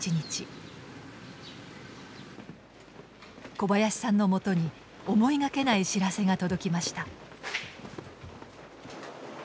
小林さんのもとに思いがけない知らせが届きました。